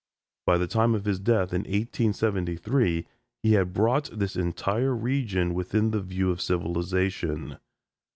By the time of his death in 1873 he had brought this entire region within the view of civilization.